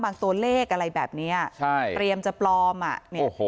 ตัวเลขอะไรแบบเนี้ยใช่เตรียมจะปลอมอ่ะเนี่ยโอ้โห